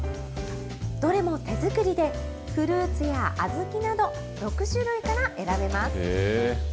どれも手作りで、フルーツや小豆など、６種類から選べます。